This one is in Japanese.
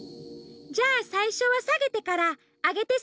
じゃあさいしょはさげてから「あげて！